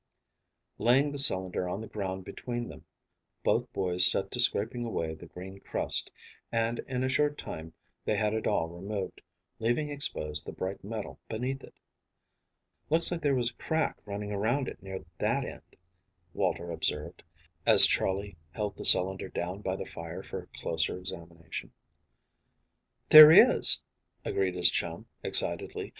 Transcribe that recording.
Laying the cylinder on the ground between them, both boys set to scraping away the green crust, and in a short time they had it all removed, leaving exposed the bright metal beneath it. "Looks like there was a crack running around it near that end," Walter observed, as Charley held the cylinder down by the fire for closer examination. "There is," agreed his chum, excitedly.